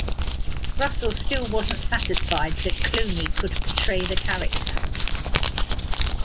Russell still wasn't satisfied that Clooney could portray the character.